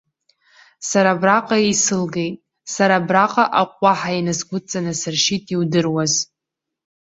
Сара абраҟа исылгеит, сара абраҟа аҟәҟәаҳәа инасгәыдҵаны сыршьит, иудыруаз.